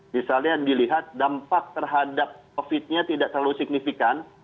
misalnya dilihat dampak terhadap covid nya tidak terlalu signifikan